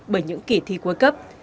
bởi những kỷ thi cuối cấp